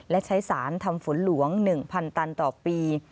และใช้สารทำฝนหลวง๑๐๐ตันต่อปี